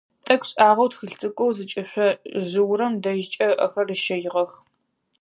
Тӏэкӏу шӏагъэу тхылъ цӏыкӏоу зыкӏышъо жъыурэм дэжькӏэ ыӏэхэр ыщэигъэх.